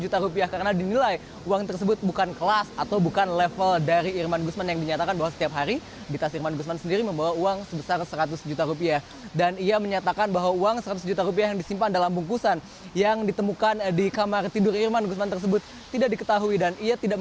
tadi saya sempat mewancarai kuasa hukum dari irman gusman